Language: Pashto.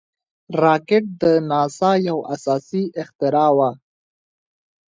راکټ د ناسا یو اساسي اختراع وه